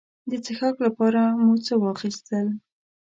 د څښاک لپاره مو څه واخیستل.